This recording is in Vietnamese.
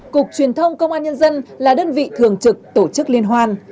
cục truyền thông công an nhân dân là đơn vị thường trực tổ chức liên hoan